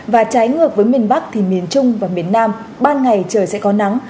và trái ngược với miền bắc thì miền trung và miền nam ban ngày trời sẽ có nắng